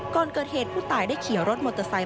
ก่อนเกิดเหตุผู้ตายได้ขี่รถมอเตอร์ไซค